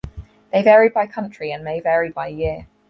They vary by country and may vary by year.